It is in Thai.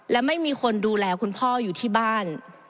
และไม่มีคนดูแลคุณพ่ออยู่ที่บ้าน